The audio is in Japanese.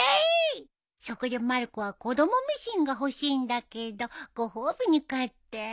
そこでまる子は子供ミシンが欲しいんだけどご褒美に買って。